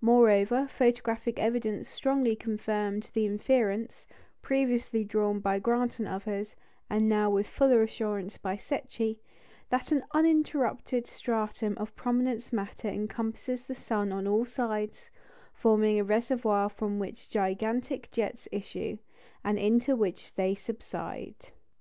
Moreover, photographic evidence strongly confirmed the inference previously drawn by Grant and others, and now with fuller assurance by Secchi that an uninterrupted stratum of prominence matter encompasses the sun on all sides, forming a reservoir from which gigantic jets issue, and into which they subside.